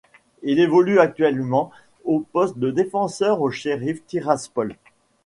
Il évolue actuellement au poste de défenseur au Sheriff Tiraspol.